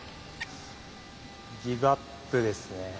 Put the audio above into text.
ギブアップですね。